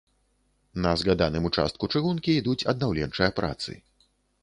На згаданым участку чыгункі ідуць аднаўленчыя працы.